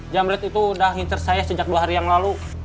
jamret itu udah nginter saya sejak dua hari yang lalu